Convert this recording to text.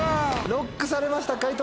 ＬＯＣＫされました解答